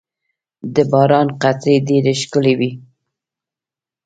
• د باران قطرې ډېرې ښکلي وي.